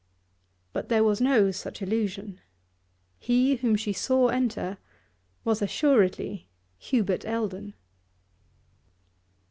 But there was no such illusion; he whom she saw enter was assuredly Hubert Eldon.